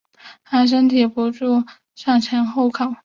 她承受不住身体向后倒